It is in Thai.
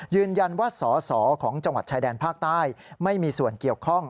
ยืนยันว่าสอสอของจังหวัดชายแดนภาคใต้ไม่มีส่วนเกี่ยวข้อง